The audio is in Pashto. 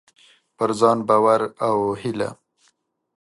پر ځان باور او هيله: